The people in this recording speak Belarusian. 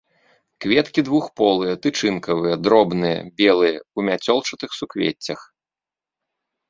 Кветкі двухполыя і тычынкавыя, дробныя, белыя, у мяцёлчатых суквеццях.